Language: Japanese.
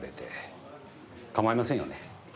構いませんよね？